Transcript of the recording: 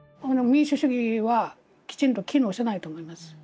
民主主義はきちんと機能してないと思います。